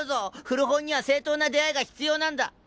古本には正当な出会いが必要なんだ。